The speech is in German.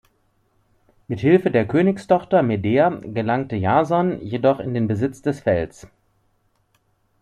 Mit Hilfe der Königstochter Medea gelangte Jason jedoch in den Besitz des Fells.